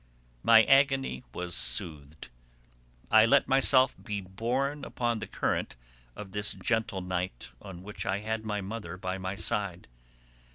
My agony was soothed; I let myself be borne upon the current of this gentle night on which I had my mother by my side.